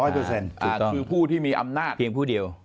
คือผู้ที่มีอำนาจเพียงผู้เดียว